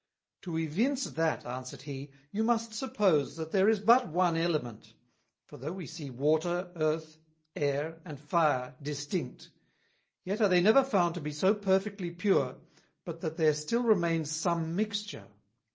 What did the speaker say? "To evince that," answered he, "you must suppose that there is but one Element; for though we see Water, Earth, Air and Fire distinct, yet are they never found to be so perfectly pure but that there still remains some Mixture.